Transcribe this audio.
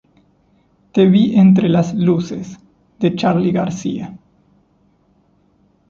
Te vi entre las luces"" de Charly García.